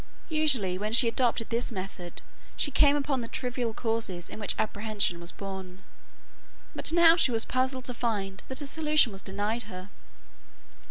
Usually when she adopted this method she came upon the trivial causes in which apprehension was born, but now she was puzzled to find that a solution was denied her.